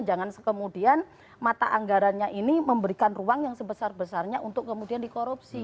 jangan sekemudian mata anggarannya ini memberikan ruang yang sebesar besarnya untuk kemudian dikorupsi